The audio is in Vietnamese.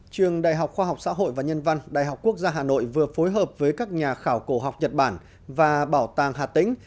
trường đại học khoa học xã hội và nhân văn đại học quốc gia hà nội vừa phối hợp với các nhà khảo cổ học nhật bản và bảo tàng hà tĩnh